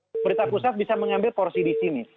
pemerintah pusat bisa mengambil porsi di sini